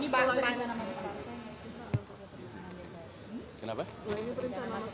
pak ini bangun